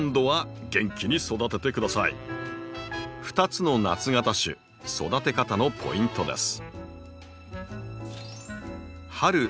２つの夏型種育て方のポイントです。